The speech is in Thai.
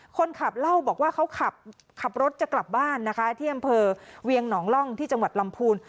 คนขับเล่าบอกว่าเขาขับรถจะกลับบ้านนะคะที่อำเภอเวียงหนองร่องที่จังหวัดลำพูน